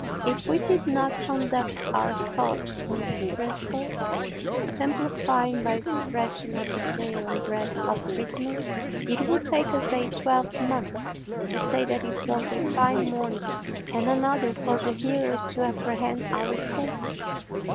If we did not conduct our thought on this principle—simplifying by suppression of detail and breadth of treatment—it would take us a twelvemonth to say that it was a fine morning and another for the hearer to apprehend our statement.